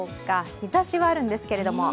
日ざしはあるんですけれど。